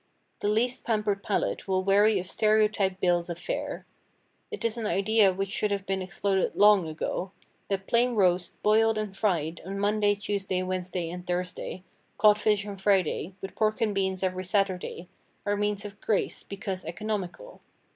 The least pampered palate will weary of stereotyped bills of fare. It is an idea which should have been exploded long ago, that plain roast, boiled, and fried, on Monday, Tuesday, Wednesday, and Thursday, cod fish on Friday, with pork and beans every Saturday, are means of grace, because economical.